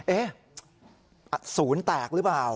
เอ๊ะศูนย์แตกหรือเปล่า